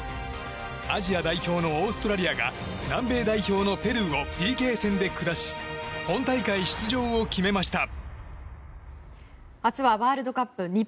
アジア代表のオーストラリアが南米代表のペルーをＰＫ戦で下し本大会出場を決めました。